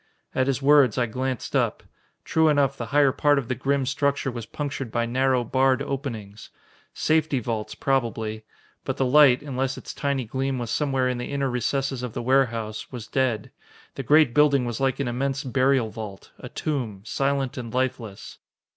At his words, I glanced up. True enough, the higher part of the grim structure was punctured by narrow, barred openings. Safety vaults, probably. But the light, unless its tiny gleam was somewhere in the inner recesses of the warehouse, was dead. The great building was like an immense burial vault, a tomb silent and lifeless.